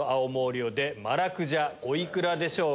お幾らでしょうか？